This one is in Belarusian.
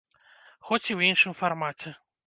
Хоць і ў іншым фармаце.